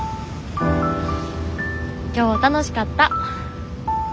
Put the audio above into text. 今日楽しかった。